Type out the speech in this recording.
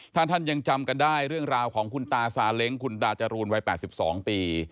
ถ้าท่านยังจำกันได้เรื่องราวของคุณตาซาเล้งคุณตาจรูนวัย๘๒ปี